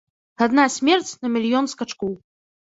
Адна смерць на мільён скачкоў.